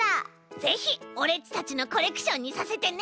ぜひオレっちたちのコレクションにさせてね。